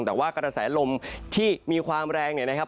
แต่ว่ากระแสลมที่มีความแรงเนี่ยนะครับ